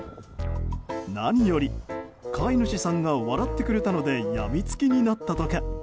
何より飼い主さんが笑ってくれたのでやみつきになったんだとか。